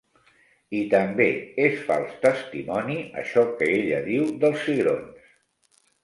I també és fals testimoni això que ella diu dels cigrons.